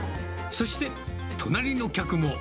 そして、隣の客も。